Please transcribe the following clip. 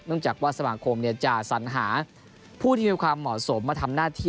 จากว่าสมาคมจะสัญหาผู้ที่มีความเหมาะสมมาทำหน้าที่